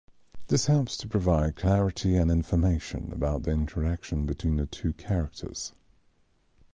This helps to provide clarity and information about the interaction between the two characters.